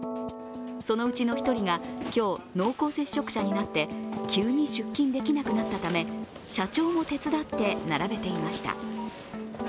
そのうちの１人が今日、濃厚接触者になって急に出勤できなくなったため社長も手伝って並べていました。